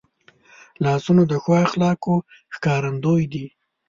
لاسونه د ښو اخلاقو ښکارندوی دي